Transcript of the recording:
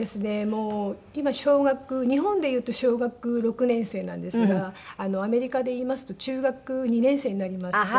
もう今小学日本でいうと小学６年生なんですがアメリカでいいますと中学２年生になりまして。